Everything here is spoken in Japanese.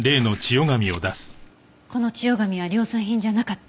この千代紙は量産品じゃなかった。